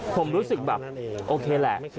ผมรู้สึกแบบโอเคแหละ